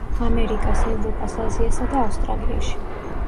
ამერიკას, ევროპას, აზიასა და ავსტრალიაში.